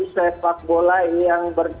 sepak bola yang